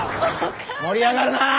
盛り上がるなあ！